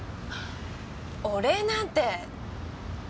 お礼なんて。